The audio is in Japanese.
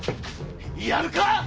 やるか！